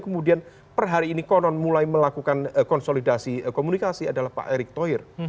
kemudian per hari ini konon mulai melakukan konsolidasi komunikasi adalah pak erick thohir